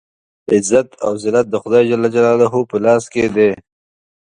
عزت او ذلت د خدای جل جلاله په لاس کې دی.